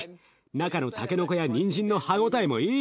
中のたけのこやにんじんの歯応えもいい。